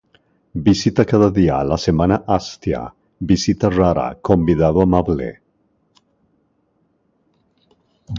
Visita cada dia, a la semana hastia. Visita rara, convidado amable.